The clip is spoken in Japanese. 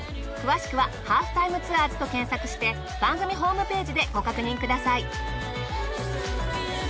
詳しくは『ハーフタイムツアーズ』と検索して番組ホームページでご確認ください。